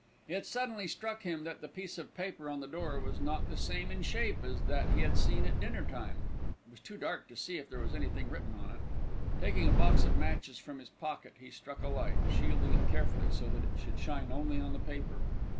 It suddenly struck him that the piece of paper on the door was not the same in shape as that he had seen at dinner time. It was too dark to see if there was anything written on it. Taking a box of matches from his pocket, he struck a light, shielding it carefully so that it should shine only on the paper.